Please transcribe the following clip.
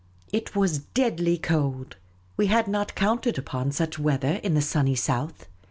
It was deadly cold. We had not counted upon such weather in the sunny south.